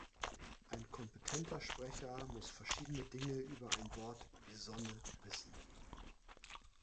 Ein kompetenter Sprecher muss verschiedene Dinge über ein Wort wie „Sonne“ wissen.